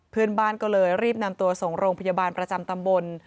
เพื่อนบ้านก็เลยรีบนำตัวส่งโรงพยาบาลประจำตำบล